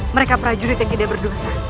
mereka prajurit yang tidak berdosa